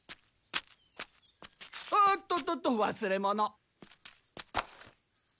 あっとっとっとわすれ物。